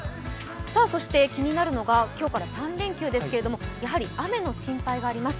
そして気になるのが今日から３連休ですけれどもやはり雨の心配があります。